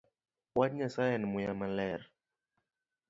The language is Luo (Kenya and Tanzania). Wach Nyasaye en muya maler